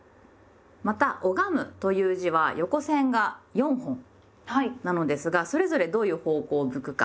また「拝む」という字は横線が４本なのですがそれぞれどういう方向を向くか？ということで実際に書きます。